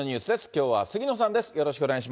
きょうは杉野さんです。